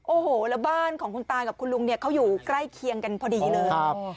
โอ้โหแล้วบ้านของคุณตากับคุณลุงเนี่ยเขาอยู่ใกล้เคียงกันพอดีเลย